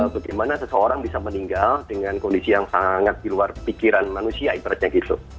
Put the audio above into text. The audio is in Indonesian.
bagaimana seseorang bisa meninggal dengan kondisi yang sangat di luar pikiran manusia ibaratnya gitu